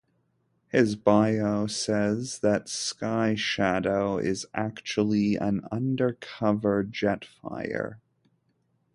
His bio says that Sky Shadow is actually an undercover Jetfire.